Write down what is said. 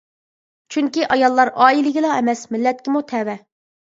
چۈنكى ئاياللار ئائىلىگىلا ئەمەس مىللەتكىمۇ تەۋە.